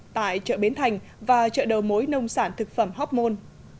tại chợ bến thành và chợ đầu mối nông sản thực phẩm hopmon